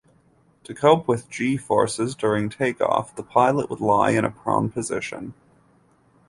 To cope with "g"-forces during takeoff, the pilot would lie in a prone position.